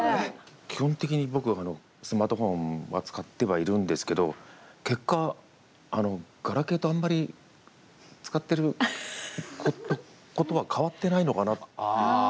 基本的に、僕はスマートフォンは使ってはいるんですけど結果、ガラケーとあんまり使っていることは変わってないのかなと。